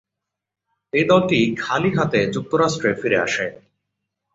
এই দলটি খালি হাতে যুক্তরাষ্ট্রে ফিরে আসে।